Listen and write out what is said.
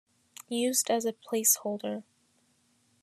Used as a placeholder.